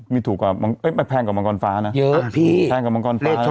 มีถูกกว่าแพงกว่ามังกรฟ้านะเยอะพี่แพงกว่ามังกรฟ้า